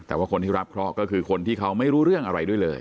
แต่ว่าคนที่รับเคราะห์ก็คือคนที่เขาไม่รู้เรื่องอะไรด้วยเลย